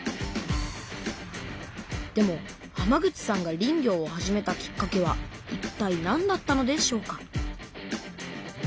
でも浜口さんが林業を始めたきっかけはいったいなんだったのでしょうか？